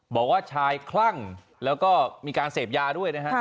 บอกว่าชายคลั่งแล้วก็มีการเสพยาด้วยนะฮะ